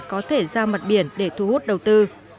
có thể ra mặt biển để thu hút đầu tư